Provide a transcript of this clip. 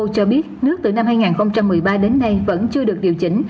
cho biết nước từ năm hai nghìn một mươi ba đến nay vẫn chưa được điều chỉnh